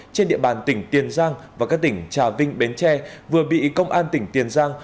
trên địa bàn tỉnh tiền giang và các tỉnh trà vinh bến tre vừa bị công an tỉnh tiền giang